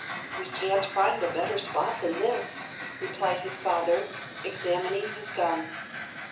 "We can't find a better spot than this," replied his father, examining his gun.